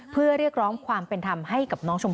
เพื่อเรียกร้องความเป็นธรรมให้กับน้องชมพู่